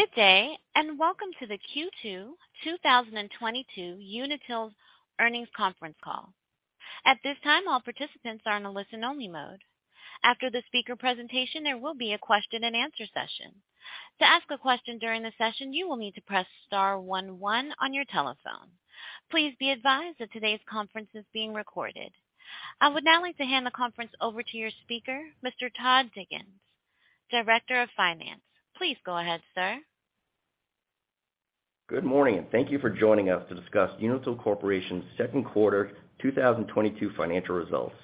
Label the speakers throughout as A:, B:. A: Good day, and welcome to the Q2 2022 Unitil's earnings conference call. At this time, all participants are on a listen-only mode. After the speaker presentation, there will be a question-and-answer session. To ask a question during the session, you will need to press star one one on your telephone. Please be advised that today's conference is being recorded. I would now like to hand the conference over to your speaker, Mr. Todd Diggins, Director of Finance. Please go ahead, sir.
B: Good morning, and thank you for joining us to discuss Unitil Corporation's second quarter 2022 financial results.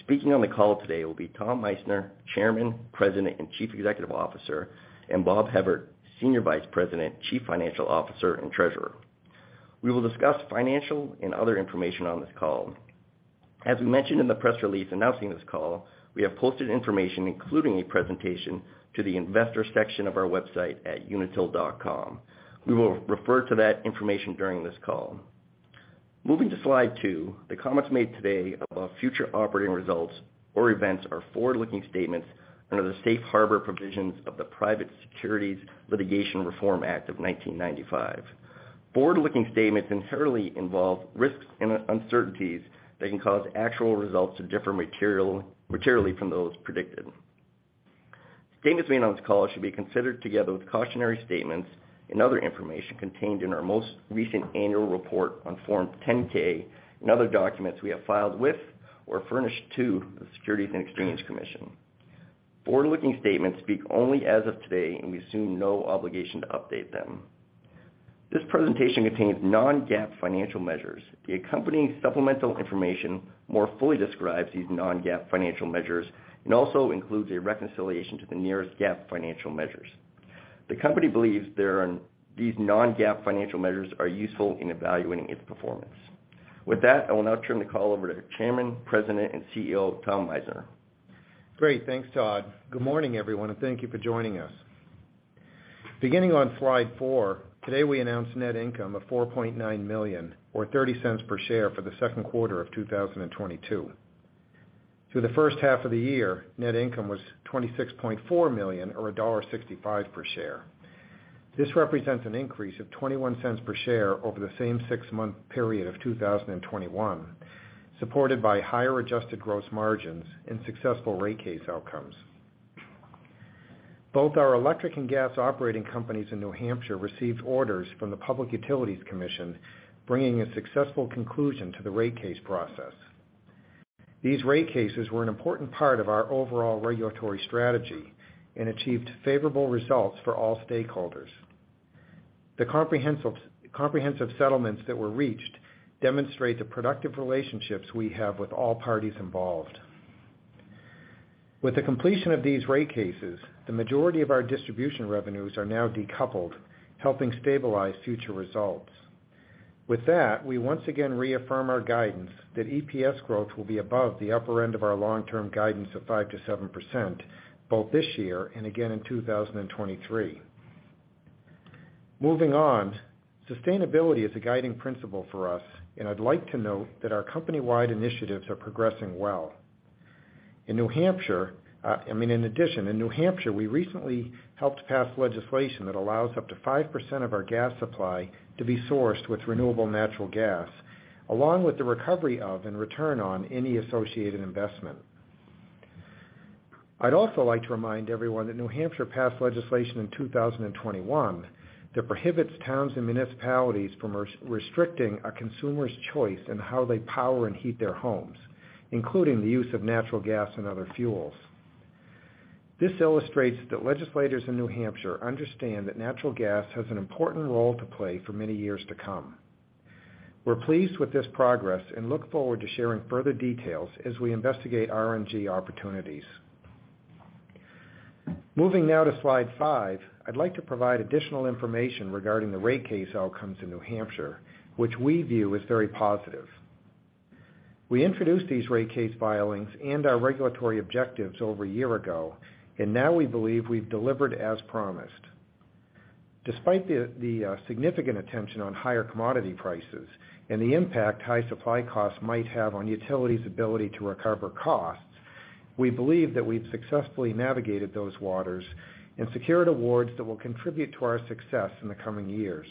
B: Speaking on the call today will be Tom Meissner, Chairman, President, and Chief Executive Officer; and Bob Hevert, Senior Vice President, Chief Financial Officer, and Treasurer. We will discuss financial and other information on this call. As we mentioned in the press release announcing this call, we have posted information, including a presentation to the investor section of our website at unitil.com. We will refer to that information during this call. Moving to slide two. The comments made today about future operating results or events are forward-looking statements under the safe harbor provisions of the Private Securities Litigation Reform Act of 1995. Forward-looking statements inherently involve risks and uncertainties that can cause actual results to differ materially from those predicted. Statements made on this call should be considered together with cautionary statements and other information contained in our most recent annual report on Form 10-K and other documents we have filed with or furnished to the Securities and Exchange Commission. Forward-looking statements speak only as of today, and we assume no obligation to update them. This presentation contains non-GAAP financial measures. The accompanying supplemental information more fully describes these non-GAAP financial measures and also includes a reconciliation to the nearest GAAP financial measures. The company believes these non-GAAP financial measures are useful in evaluating its performance. With that, I will now turn the call over to Chairman, President, and CEO, Tom Meissner.
C: Great. Thanks, Todd. Good morning, everyone, and thank you for joining us. Beginning on slide four, today we announced net income of $4.9 million, or $0.30 per share for the second quarter of 2022. Through the first half of the year, net income was $26.4 million or $1.65 per share. This represents an increase of $0.21 per share over the same six-month period of 2021, supported by higher adjusted gross margins and successful rate case outcomes. Both our electric and gas operating companies in New Hampshire received orders from the Public Utilities Commission, bringing a successful conclusion to the rate case process. These rate cases were an important part of our overall regulatory strategy and achieved favorable results for all stakeholders. The comprehensive settlements that were reached demonstrate the productive relationships we have with all parties involved. With the completion of these rate cases, the majority of our distribution revenues are now decoupled, helping stabilize future results. With that, we once again reaffirm our guidance that EPS growth will be above the upper end of our long-term guidance of 5%-7%, both this year and again in 2023. Moving on. Sustainability is a guiding principle for us, and I'd like to note that our company-wide initiatives are progressing well. In New Hampshire, I mean, in addition, in New Hampshire, we recently helped pass legislation that allows up to 5% of our gas supply to be sourced with renewable natural gas, along with the recovery of and return on any associated investment. I'd also like to remind everyone that New Hampshire passed legislation in 2021 that prohibits towns and municipalities from restricting a consumer's choice in how they power and heat their homes, including the use of natural gas and other fuels. This illustrates that legislators in New Hampshire understand that natural gas has an important role to play for many years to come. We're pleased with this progress and look forward to sharing further details as we investigate RNG opportunities. Moving now to slide five, I'd like to provide additional information regarding the rate case outcomes in New Hampshire, which we view as very positive. We introduced these rate case filings and our regulatory objectives over a year ago, and now we believe we've delivered as promised. Despite the significant attention on higher commodity prices and the impact high supply costs might have on utilities' ability to recover costs, we believe that we've successfully navigated those waters and secured awards that will contribute to our success in the coming years.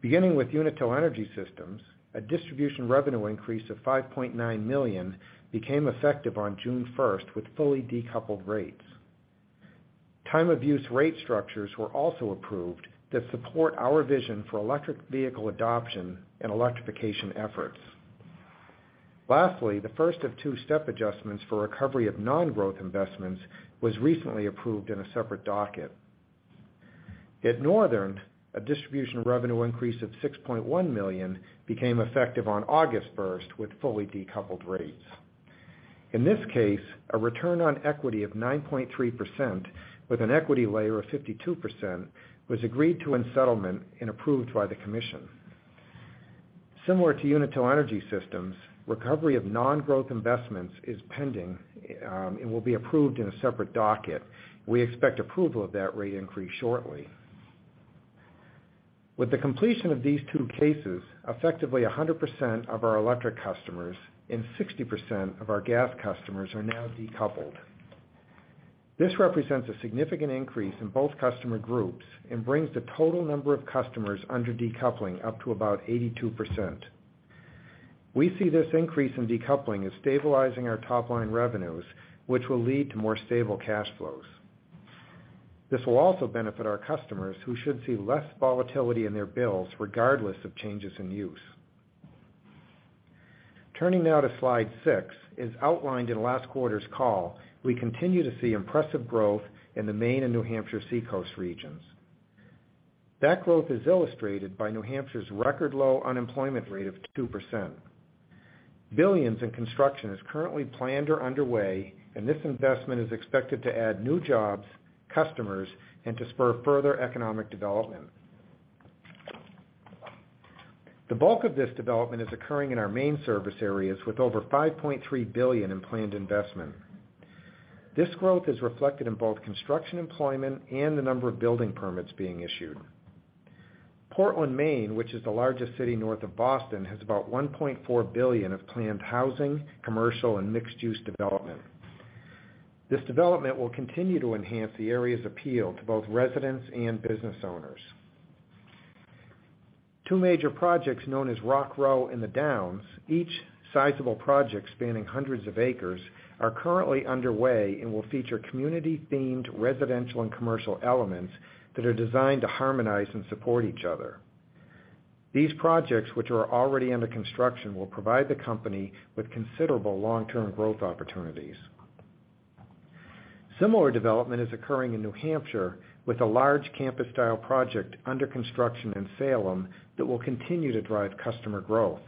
C: Beginning with Unitil Energy Systems, a distribution revenue increase of $5.9 million became effective on June first with fully decoupled rates. Time of use rate structures were also approved that support our vision for electric vehicle adoption and electrification efforts. Lastly, the first of two step adjustments for recovery of non-growth investments was recently approved in a separate docket. At Northern, a distribution revenue increase of $6.1 million became effective on August first with fully decoupled rates. In this case, a return on equity of 9.3% with an equity layer of 52% was agreed to in settlement and approved by the commission. Similar to Unitil Energy Systems, recovery of non-growth investments is pending, and will be approved in a separate docket. We expect approval of that rate increase shortly. With the completion of these two cases, effectively 100% of our electric customers and 60% of our gas customers are now decoupled. This represents a significant increase in both customer groups and brings the total number of customers under decoupling up to about 82%. We see this increase in decoupling as stabilizing our top-line revenues, which will lead to more stable cash flows. This will also benefit our customers, who should see less volatility in their bills regardless of changes in use. Turning now to slide six. As outlined in last quarter's call, we continue to see impressive growth in the Maine and New Hampshire Seacoast regions. That growth is illustrated by New Hampshire's record low unemployment rate of 2%. Billions in construction is currently planned or underway, and this investment is expected to add new jobs, customers, and to spur further economic development. The bulk of this development is occurring in our main service areas with over $5.3 billion in planned investment. This growth is reflected in both construction employment and the number of building permits being issued. Portland, Maine, which is the largest city north of Boston, has about $1.4 billion of planned housing, commercial, and mixed-use development. This development will continue to enhance the area's appeal to both residents and business owners. Two major projects known as Rock Row and The Downs, each sizable project spanning hundreds of acres, are currently underway and will feature community-themed residential and commercial elements that are designed to harmonize and support each other. These projects, which are already under construction, will provide the company with considerable long-term growth opportunities. Similar development is occurring in New Hampshire with a large campus-style project under construction in Salem that will continue to drive customer growth.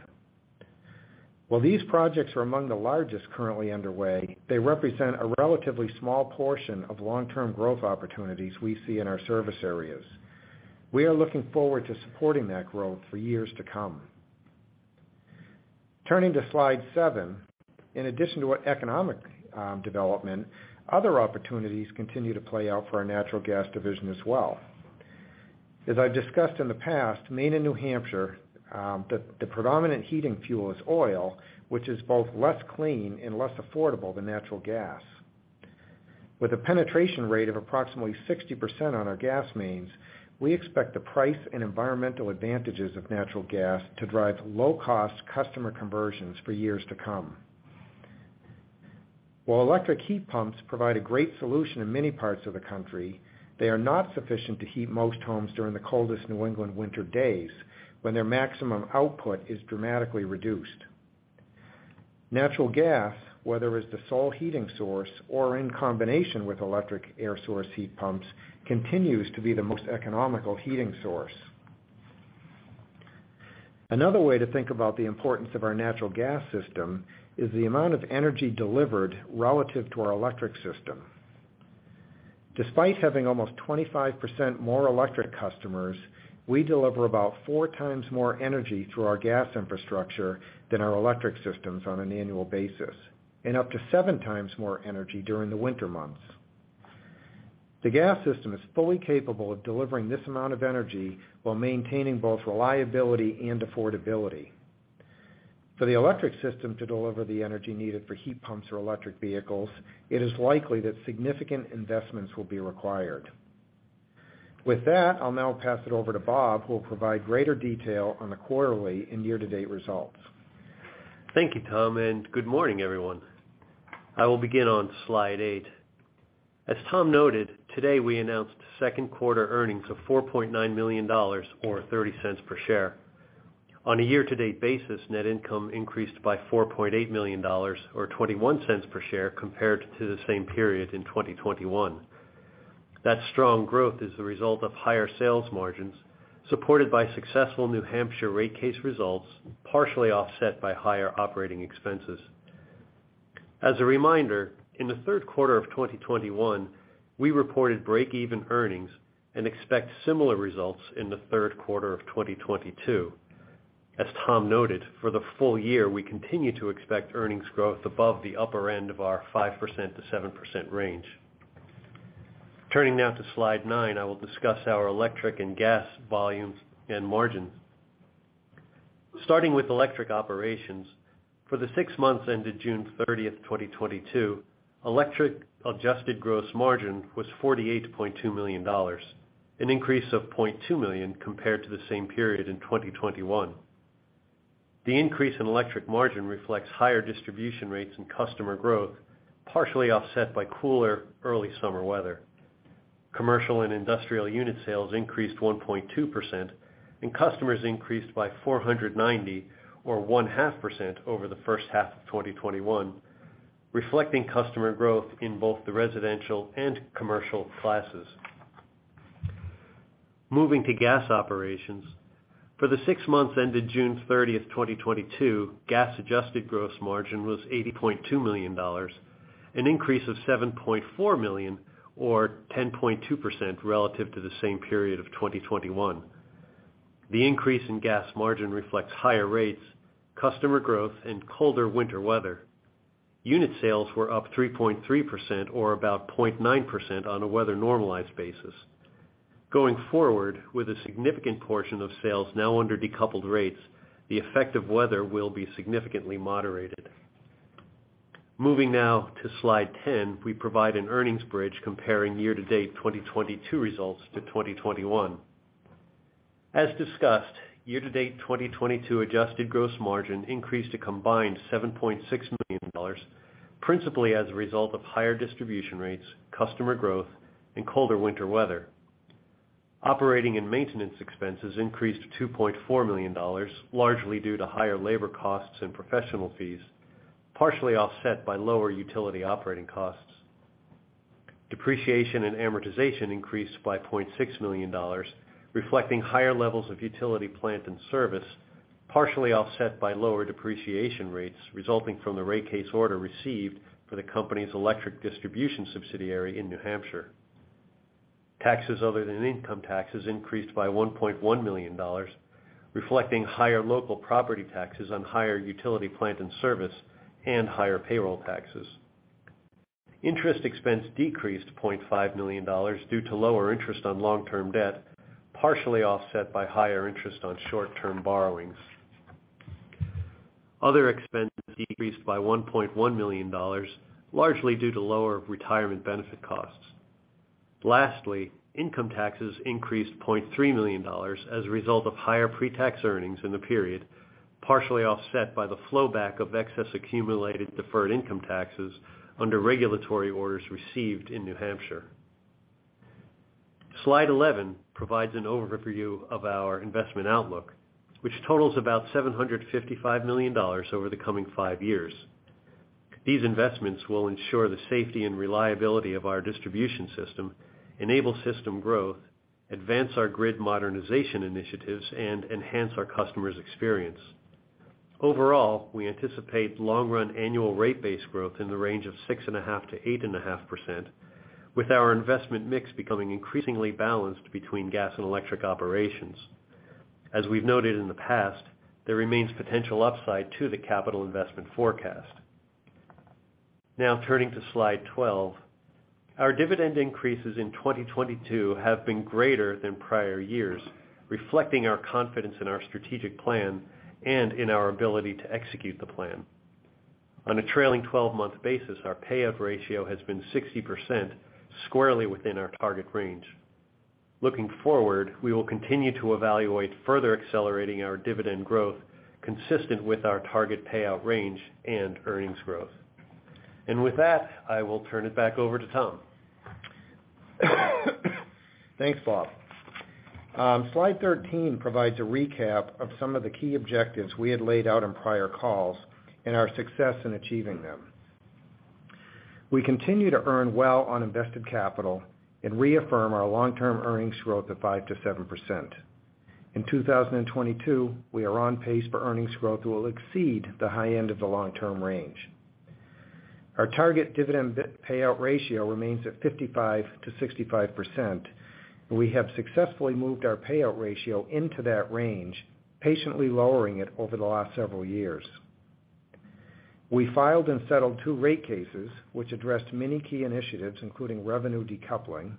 C: While these projects are among the largest currently underway, they represent a relatively small portion of long-term growth opportunities we see in our service areas. We are looking forward to supporting that growth for years to come. Turning to slide seven. In addition to economic development, other opportunities continue to play out for our natural gas division as well. As I've discussed in the past, Maine and New Hampshire, the predominant heating fuel is oil, which is both less clean and less affordable than natural gas. With a penetration rate of approximately 60% on our gas mains, we expect the price and environmental advantages of natural gas to drive low-cost customer conversions for years to come. While electric heat pumps provide a great solution in many parts of the country, they are not sufficient to heat most homes during the coldest New England winter days, when their maximum output is dramatically reduced. Natural gas, whether as the sole heating source or in combination with electric air source heat pumps, continues to be the most economical heating source. Another way to think about the importance of our natural gas system is the amount of energy delivered relative to our electric system. Despite having almost 25% more electric customers, we deliver about 4x more energy through our gas infrastructure than our electric systems on an annual basis, and up to 7x more energy during the winter months. The gas system is fully capable of delivering this amount of energy while maintaining both reliability and affordability. For the electric system to deliver the energy needed for heat pumps or electric vehicles, it is likely that significant investments will be required. With that, I'll now pass it over to Bob, who will provide greater detail on the quarterly and year-to-date results.
D: Thank you, Tom, and good morning, everyone. I will begin on slide eight. As Tom noted, today we announced second quarter earnings of $4.9 million or $0.30 per share. On a year-to-date basis, net income increased by $4.8 million or $0.21 per share compared to the same period in 2021. That strong growth is the result of higher sales margins supported by successful New Hampshire rate case results, partially offset by higher operating expenses. As a reminder, in the third quarter of 2021, we reported break-even earnings and expect similar results in the third quarter of 2022. As Tom noted, for the full year, we continue to expect earnings growth above the upper end of our 5%-7% range. Turning now to slide nine. I will discuss our electric and gas volumes and margins. Starting with electric operations. For the six months ended June 30, 2022, electric adjusted gross margin was $48.2 million, an increase of $0.2 million compared to the same period in 2021. The increase in electric margin reflects higher distribution rates and customer growth, partially offset by cooler early summer weather. Commercial and industrial unit sales increased 1.2%, and customers increased by 490 or 0.5% over the first half of 2021, reflecting customer growth in both the residential and commercial classes. Moving to gas operations. For the six months ended June 30, 2022, gas adjusted gross margin was $80.2 million, an increase of $7.4 million or 10.2% relative to the same period of 2021. The increase in gas margin reflects higher rates, customer growth, and colder winter weather. Unit sales were up 3.3% or about 0.9% on a weather normalized basis. Going forward, with a significant portion of sales now under decoupled rates, the effect of weather will be significantly moderated. Moving now to slide 10, we provide an earnings bridge comparing year-to-date 2022 results to 2021. As discussed, year-to-date 2022 adjusted gross margin increased a combined $7.6 million, principally as a result of higher distribution rates, customer growth, and colder winter weather. Operating and maintenance expenses increased to $2.4 million, largely due to higher labor costs and professional fees, partially offset by lower utility operating costs. Depreciation and amortization increased by $0.6 million, reflecting higher levels of utility plant in service, partially offset by lower depreciation rates resulting from the rate case order received for the company's electric distribution subsidiary in New Hampshire. Taxes other than income taxes increased by $1.1 million, reflecting higher local property taxes on higher utility plant in service and higher payroll taxes. Interest expense decreased $0.5 million due to lower interest on long-term debt, partially offset by higher interest on short-term borrowings. Other expenses decreased by $1.1 million, largely due to lower retirement benefit costs. Lastly, income taxes increased $0.3 million as a result of higher pre-tax earnings in the period, partially offset by the flowback of excess accumulated deferred income taxes under regulatory orders received in New Hampshire. Slide 11 provides an overview of our investment outlook, which totals about $755 million over the coming five years. These investments will ensure the safety and reliability of our distribution system, enable system growth, advance our grid modernization initiatives, and enhance our customers' experience. Overall, we anticipate long-run annual rate-based growth in the range of 6.5%-8.5%, with our investment mix becoming increasingly balanced between gas and electric operations. As we've noted in the past, there remains potential upside to the capital investment forecast. Now turning to slide 12. Our dividend increases in 2022 have been greater than prior years, reflecting our confidence in our strategic plan and in our ability to execute the plan. On a trailing 12-month basis, our payout ratio has been 60%, squarely within our target range. Looking forward, we will continue to evaluate further accelerating our dividend growth consistent with our target payout range and earnings growth. With that, I will turn it back over to Tom.
C: Thanks, Bob. Slide 13 provides a recap of some of the key objectives we had laid out on prior calls and our success in achieving them. We continue to earn well on invested capital and reaffirm our long-term earnings growth of 5%-7%. In 2022, we are on pace for earnings growth that will exceed the high end of the long-term range. Our target dividend payout ratio remains at 55%-65%, and we have successfully moved our payout ratio into that range, patiently lowering it over the last several years. We filed and settled two rate cases, which addressed many key initiatives, including revenue decoupling.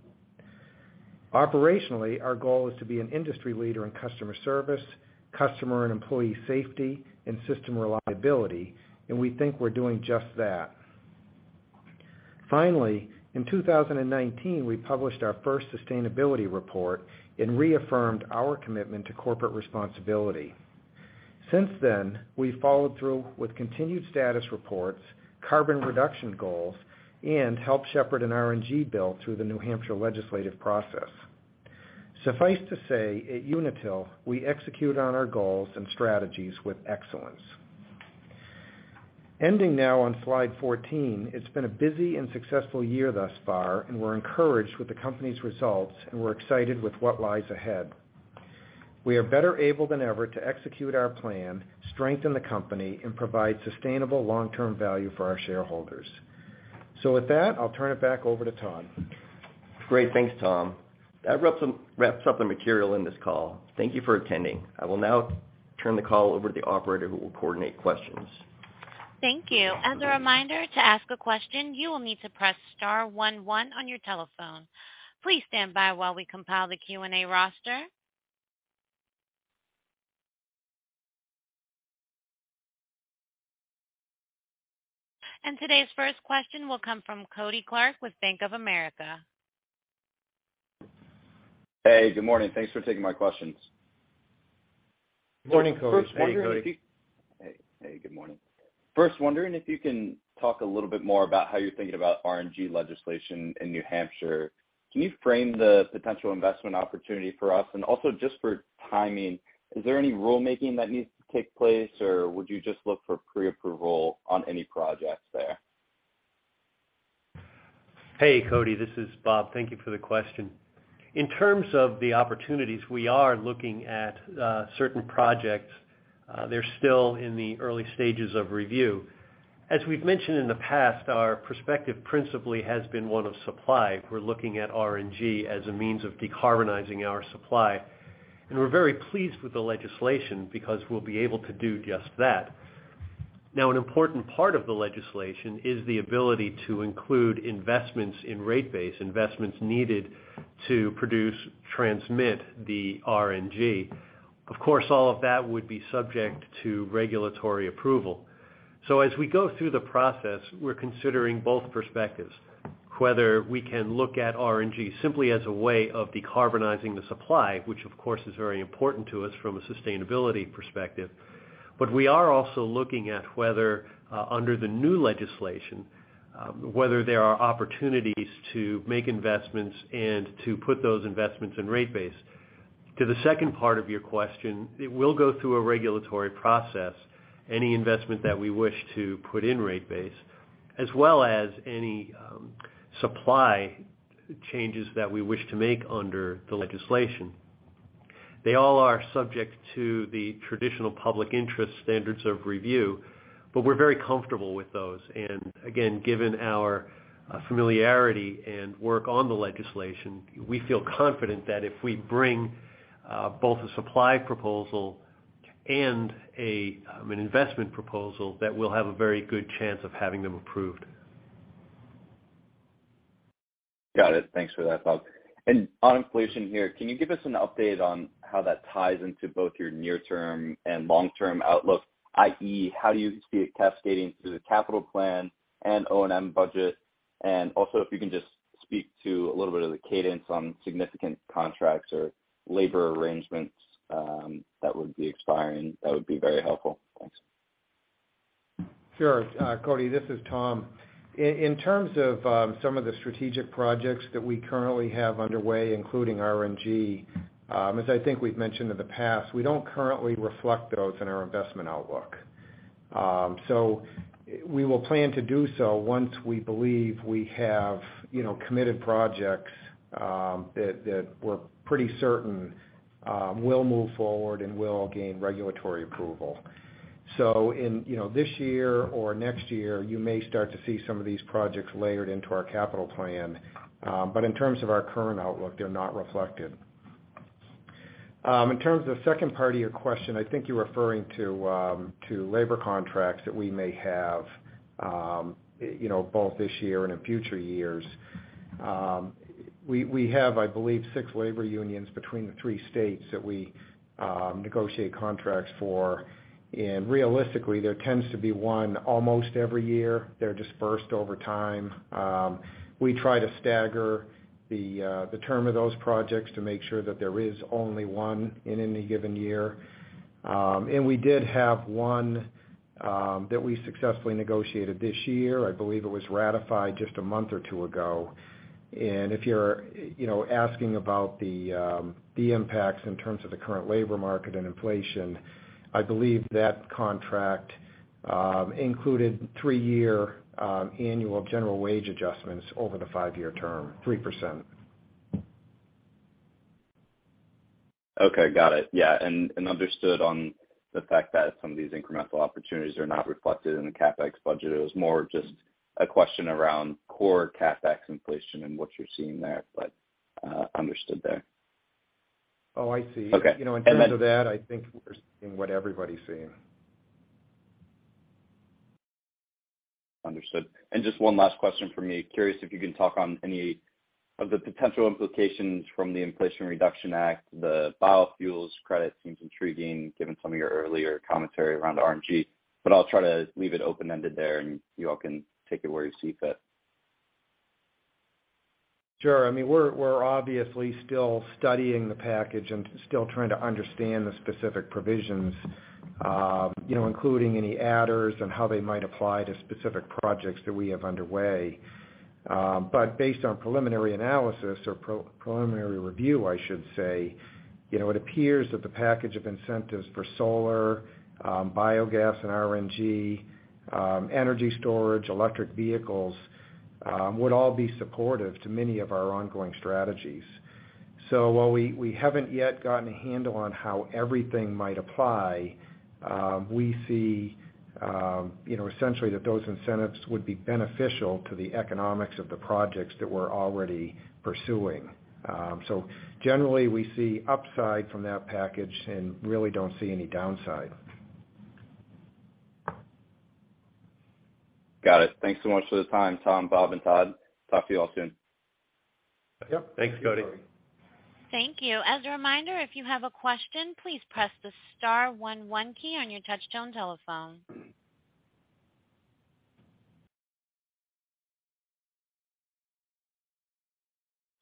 C: Operationally, our goal is to be an industry leader in customer service, customer and employee safety, and system reliability, and we think we're doing just that. Finally, in 2019, we published our first sustainability report and reaffirmed our commitment to corporate responsibility. Since then, we've followed through with continued status reports, carbon reduction goals, and helped shepherd an RNG bill through the New Hampshire legislative process. Suffice to say, at Unitil, we execute on our goals and strategies with excellence. Ending now on slide 14, it's been a busy and successful year thus far, and we're encouraged with the company's results, and we're excited with what lies ahead. We are better able than ever to execute our plan, strengthen the company, and provide sustainable long-term value for our shareholders. With that, I'll turn it back over to Todd.
B: Great. Thanks, Tom. That wraps up the material in this call. Thank you for attending. I will now turn the call over to the operator who will coordinate questions.
A: Thank you. As a reminder, to ask a question, you will need to press star one one on your telephone. Please stand by while we compile the Q&A roster. Today's first question will come from Kody Clark with Bank of America.
E: Hey, good morning. Thanks for taking my questions.
C: Good morning, Kody.
D: Morning, Kody.
E: Hey. Hey, good morning. First, wondering if you can talk a little bit more about how you're thinking about RNG legislation in New Hampshire. Can you frame the potential investment opportunity for us? Also, just for timing, is there any rulemaking that needs to take place, or would you just look for pre-approval on any projects there?
D: Hey, Kody, this is Bob. Thank you for the question. In terms of the opportunities, we are looking at certain projects. They're still in the early stages of review. As we've mentioned in the past, our perspective principally has been one of supply. We're looking at RNG as a means of decarbonizing our supply.
C: We're very pleased with the legislation because we'll be able to do just that. Now, an important part of the legislation is the ability to include investments in rate base, investments needed to produce, transmit the RNG. Of course, all of that would be subject to regulatory approval. as we go through the process, we're considering both perspectives, whether we can look at RNG simply as a way of decarbonizing the supply, which of course is very important to us from a sustainability perspective. we are also looking at whether, under the new legislation, whether there are opportunities to make investments and to put those investments in rate base. To the second part of your question, it will go through a regulatory process, any investment that we wish to put in rate base, as well as any supply changes that we wish to make under the legislation. They all are subject to the traditional public interest standards of review, but we're very comfortable with those. Again, given our familiarity and work on the legislation, we feel confident that if we bring both a supply proposal and an investment proposal, that we'll have a very good chance of having them approved.
E: Got it. Thanks for that, Bob. On inflation here, can you give us an update on how that ties into both your near-term and long-term outlook, i.e., how do you see it cascading through the capital plan and O&M budget? Also if you can just speak to a little bit of the cadence on significant contracts or labor arrangements, that would be expiring, that would be very helpful. Thanks.
C: Sure. Kody, this is Tom. In terms of some of the strategic projects that we currently have underway, including RNG, as I think we've mentioned in the past, we don't currently reflect those in our investment outlook. We will plan to do so once we believe we have, you know, committed projects that we're pretty certain will move forward and will gain regulatory approval. In this year or next year, you may start to see some of these projects layered into our capital plan. But in terms of our current outlook, they're not reflected. In terms of the second part of your question, I think you're referring to labor contracts that we may have, you know, both this year and in future years. We have, I believe, six labor unions between the three states that we negotiate contracts for. Realistically, there tends to be one almost every year. They're dispersed over time. We try to stagger the term of those projects to make sure that there is only one in any given year. We did have one that we successfully negotiated this year. I believe it was ratified just a month or two ago. If you're, you know, asking about the impacts in terms of the current labor market and inflation, I believe that contract included three-year annual general wage adjustments over the five-year term, 3%.
E: Okay, got it. Yeah, and understood on the fact that some of these incremental opportunities are not reflected in the CapEx budget. It was more just a question around core CapEx inflation and what you're seeing there, but understood there.
C: Oh, I see.
E: Okay.
C: You know, in terms of that, I think we're seeing what everybody's seeing.
E: Understood. Just one last question from me. Curious if you can talk on any of the potential implications from the Inflation Reduction Act. The biofuels credit seems intriguing given some of your earlier commentary around RNG, but I'll try to leave it open-ended there, and you all can take it where you see fit.
C: Sure. I mean, we're obviously still studying the package and still trying to understand the specific provisions, you know, including any adders and how they might apply to specific projects that we have underway. Based on preliminary analysis or preliminary review, I should say, you know, it appears that the package of incentives for solar, biogas and RNG, energy storage, electric vehicles, would all be supportive to many of our ongoing strategies. While we haven't yet gotten a handle on how everything might apply, we see, you know, essentially that those incentives would be beneficial to the economics of the projects that we're already pursuing. Generally, we see upside from that package and really don't see any downside.
E: Got it. Thanks so much for the time, Tom, Bob, and Todd. Talk to you all soon.
C: Yep. Thanks, Kody.
A: Thank you. As a reminder, if you have a question, please press the star one one key on your touchtone telephone.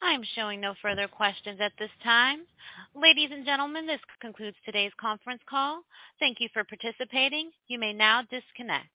A: I am showing no further questions at this time. Ladies and gentlemen, this concludes today's conference call. Thank you for participating. You may now disconnect.